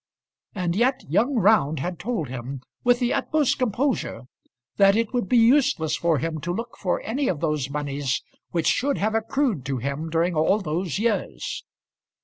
And yet young Round had told him, with the utmost composure, that it would be useless for him to look for any of those moneys which should have accrued to him during all those years!